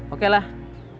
oke lah ibu